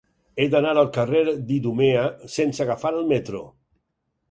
He d'anar al carrer d'Idumea sense agafar el metro.